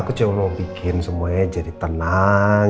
aku cuma mau bikin semuanya jadi tenang